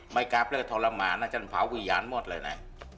ไม่กลับเลยก็ทรมานนะฉันเผาวิญญาณหมดเลยนะ